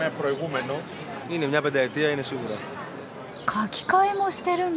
描きかえもしてるんだ。